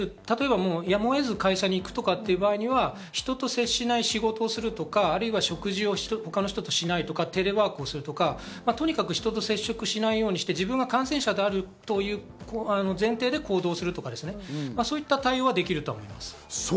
例えば、やむを得ず会社に行くとかっていう場合には人と接しない仕事をするとか或いは食事も他の人としないとか、テレワークをするとか、とにかく人と接触しないようにして自分が感染者であるという前提で行動するとか、そういった対応はできると思います。